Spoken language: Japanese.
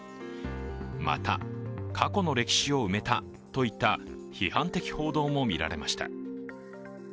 また、過去の歴史を埋めたといった批判的報道も見られました。